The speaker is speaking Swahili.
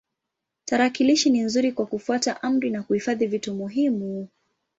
Tarakilishi ni nzuri kwa kufuata amri na kuhifadhi vitu muhimu.